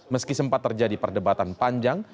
meski sempat terjadi perdebatan panjang